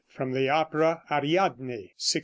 (From the opera "Ariadne," 1607.